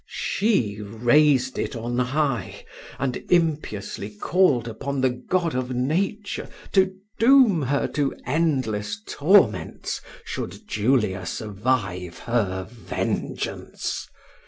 She raised it on high, and impiously called upon the God of nature to doom her to endless torments, should Julia survive her vengeance.